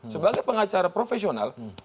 sebagai pengacara profesional